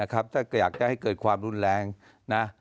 ถ้าอยากจะให้เกิดความรุนแรงนะ